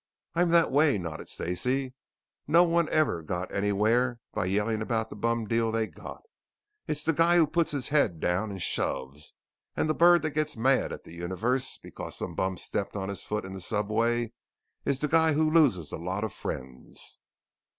"I'm that way," nodded Stacey. "No one ever got anywhere by yelling about the bum deal they got. It's the guy who puts his head down and shoves and the bird that gets mad at the universe because some bum stepped on his foot in the subway is the guy who loses a lot of friends."